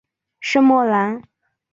圣莫兰。